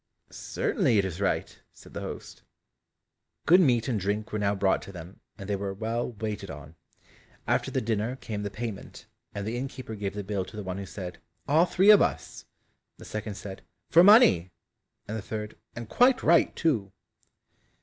"Certainly it is right," said the host. Good meat and drink were now brought to them, and they were well waited on. After the dinner came the payment, and the innkeeper gave the bill to the one who said, "All three of us," the second said, "For money," and the third, "and quite right too!"